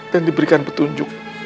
dan diberikan petunjuk